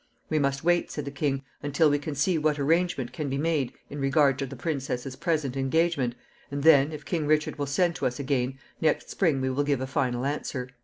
"We must wait," said the king, "until we can see what arrangement can be made in regard to the princess's present engagement, and then, if King Richard will send to us again, next spring we will give a final answer."